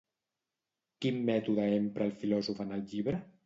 Quin mètode empra el filòsof en el llibre?